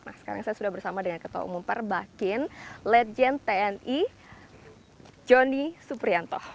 nah sekarang saya sudah bersama dengan ketua umum perbakin legend tni joni suprianto